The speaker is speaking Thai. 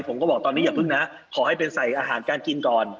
ผมก็บอกตอนนี้อย่าเพิ่งนะขอให้ไปใส่อาหารการกินก่อน